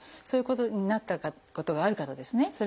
そういうことになったことがある方ですね。